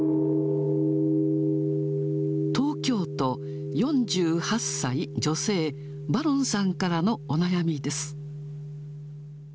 東京都、４８歳女性、バロンさんからのお悩みです。